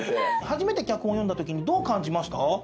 初めて脚本読んだときにどう感じました？